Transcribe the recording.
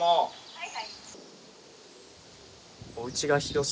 はい。